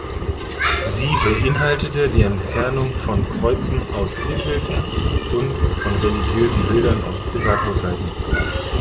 Sie beinhaltete die Entfernung von Kreuzen aus Friedhöfen und von religiösen Bildern aus Privathaushalten.